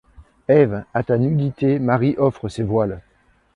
Ève, à ta nudité Marie offre ses voiles ;